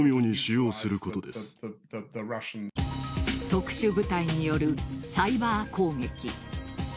特殊部隊によるサイバー攻撃。